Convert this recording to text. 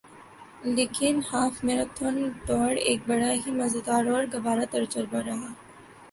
لیکن half marathon دوڑ ایک بڑا ہی مزیدار اور گوارہ تجربہ رہا